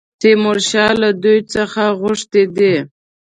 تیمورشاه له دوی څخه غوښتي دي.